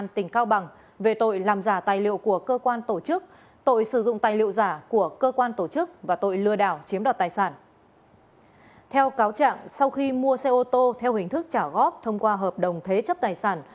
theo cáo trạng sau khi mua xe ô tô theo hình thức trả góp thông qua hợp đồng thế chấp tài sản